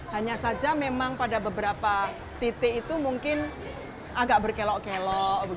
hanya saja memang pada beberapa titik itu mungkin agak berkelok kelok